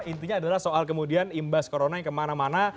intinya adalah soal kemudian imbas corona yang kemana mana